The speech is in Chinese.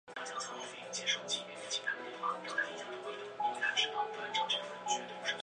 所以该译名并不准确。